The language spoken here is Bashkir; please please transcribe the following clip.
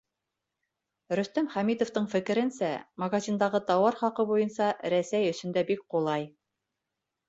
Рөстәм Хәмитовтың фекеренсә, магазиндағы тауар хаҡы буйынса Рәсәй өсөн дә бик ҡулай.